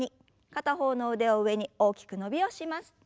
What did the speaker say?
片方の腕を上に大きく伸びをします。